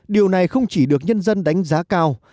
điều này không chỉ được nhân dân đánh giá cao